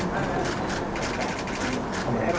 ขอด้านสายด้วยนะครับ